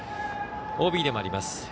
ＯＢでもあります。